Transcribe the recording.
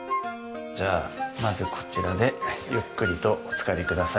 じゃあまずこちらでゆっくりとおつかりください。